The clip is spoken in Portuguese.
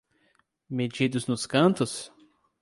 Metidos nos cantos?